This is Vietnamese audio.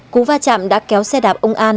cú va chạm đã kéo xe đạp ông an